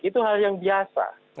itu hal yang biasa